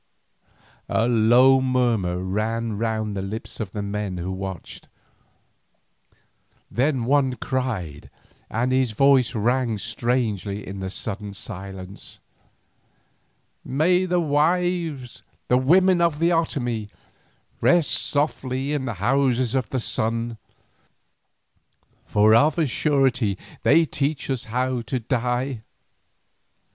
A low murmur ran round the lips of the men who watched, then one cried, and his voice rang strangely in the sudden silence: "May our wives, the women of the Otomie, rest softly in the Houses of the Sun, for of a surety they teach us how to die."